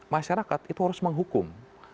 masyarakat itu harus menghukum